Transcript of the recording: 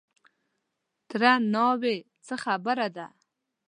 _تره ناوې! څه خبره ده؟